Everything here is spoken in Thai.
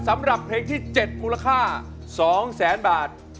สำหรับเพลงที่๗มูลค่า๒แสนบาท